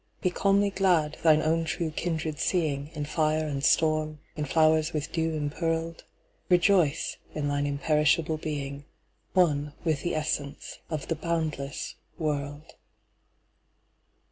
Be calmly glad, thine own true kindred seeingIn fire and storm, in flowers with dew impearled; Rejoice in thine imperishable being, One with the essence of the boundless world.